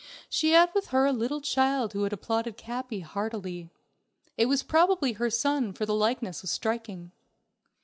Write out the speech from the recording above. She had with her a little child who had applauded Capi heartily. It was probably her son for the likeness was striking.